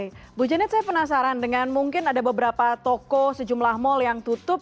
ibu janet saya penasaran dengan mungkin ada beberapa toko sejumlah mal yang tutup